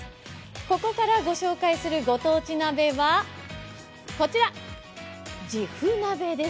ここからご紹介するご当地鍋はこちら、じふ鍋です。